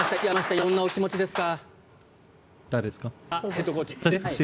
今、どんなお気持ちですか？